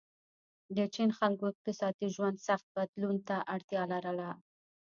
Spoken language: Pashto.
د چین خلکو اقتصادي ژوند سخت بدلون ته اړتیا لرله.